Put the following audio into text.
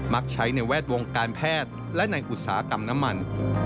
ักใช้ในแวดวงการแพทย์และในอุตสาหกรรมน้ำมัน